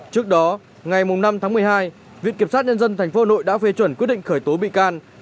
trước đó ngày năm tháng một mươi hai viện kiểm soát nhân dân tp hcm đã phê chuẩn quyết định khởi tố bị can